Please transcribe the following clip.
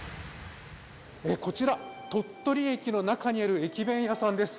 こちら、鳥取駅の中にある駅弁屋さんです。